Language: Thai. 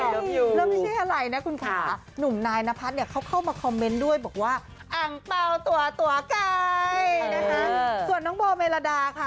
แล้วไม่ใช่อะไรนะคุณค่ะหนุ่มนายนภัทรเข้ามาคอมเมนต์ด้วยบอกว่าอังเปล่าตัวไก่ส่วนน้องบอลเมลดาค่ะ